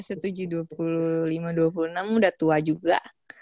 setuju dua puluh lima dua puluh enam udah tua juga